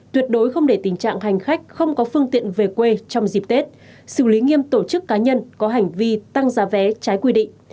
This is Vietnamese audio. tuyệt đối không để tình trạng hành khách không có phương tiện về quê trong dịp tết xử lý nghiêm tổ chức cá nhân có hành vi tăng giá vé trái quy định